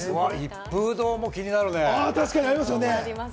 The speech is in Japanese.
一風堂も気になるね。